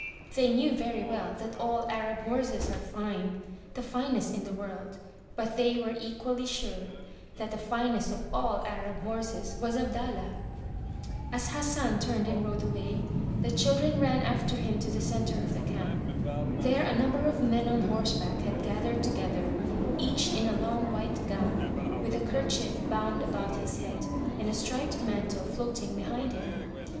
They knew very well that all Arab horses are fine, the finest in the world, but they were equally sure that the finest of all Arab horses was Abdallah ! As Hassan turned and rode away, the children ran after him to the center of the camp. There a number of men on horseback had gathered together, each in a long white gown, with a kerchief bound about his head, and a striped mantle floating behind him.